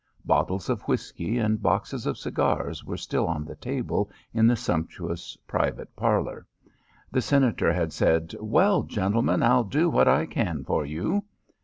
Bottles of whisky and boxes of cigars were still on the table in the sumptuous private parlour. The Senator had said, "Well, gentlemen, I'll do what I can for you."